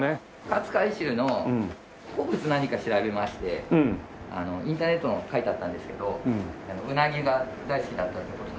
勝海舟の好物何か調べましてインターネットに書いてあったんですけどうなぎが大好きだったって事なので。